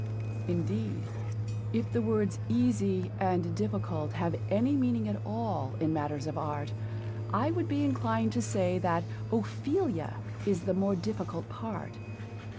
Indeed, if the words easy and difficult have any meaning at all in matters of art, I would be inclined to say that Ophelia is the more difficult part.